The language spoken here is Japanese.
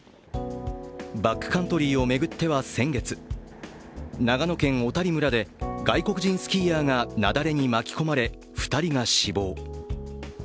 バックカントリーを巡っては先月、長野県小谷村で外国人スキーヤーが雪崩に巻き込まれ、２人が死亡。